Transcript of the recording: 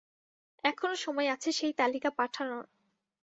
এখনো সময় আছে সেই তালিকা পাঠানোর।